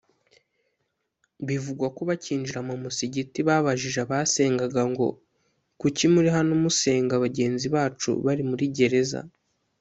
Bivugwa ko bakinjira mu musigiti babajije abasengaga ngo “kuki muri hano musenga bagenzi bacu bari muri gereza”